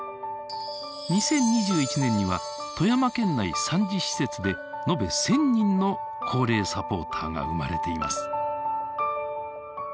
２０２１年には富山県内３０施設でのべ１，０００人の高齢サポ―ターが生まれています。